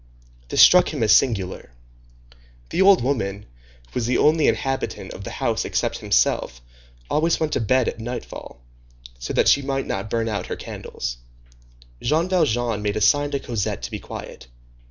This struck him as singular. The old woman, who was the only inhabitant of the house except himself, always went to bed at nightfall, so that she might not burn out her candles. Jean Valjean made a sign to Cosette to be quiet.